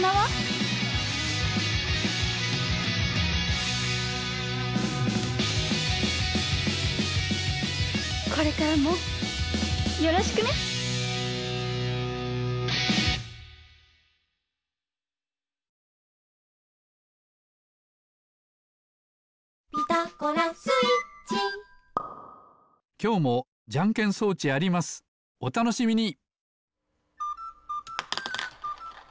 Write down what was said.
おたのしみに！